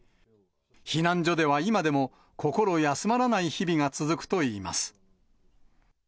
避難所では今でも、心休まらない日々が続くといいます。